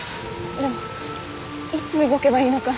でもいつ動けばいいのか。